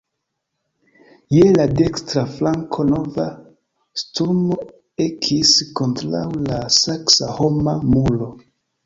Je la dekstra flanko nova sturmo ekis kontraŭ la saksa homa muro.